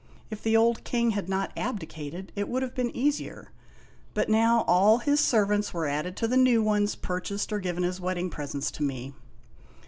If the old king had not abdicated, it would have been easier; but now all his servants were added to the new ones purchased or given as wedding presents to me.